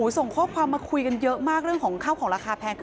ส่งข้อความมาคุยกันเยอะมากเรื่องของข้าวของราคาแพง